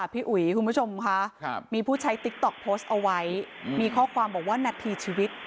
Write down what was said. พี่อุ๋ยคุณผู้ชมค่ะมีผู้ใช้ติ๊กต๊อกโพสต์เอาไว้มีข้อความบอกว่านาทีชีวิต